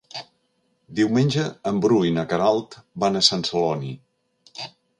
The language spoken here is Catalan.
Diumenge en Bru i na Queralt van a Sant Celoni.